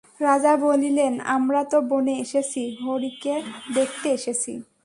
রাজা বলিলেন, আমরা তো বনে এসেছি, হরিকে দেখতে এসেছি।